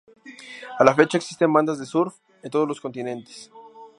A la fecha existen bandas de surf en todos los continentes.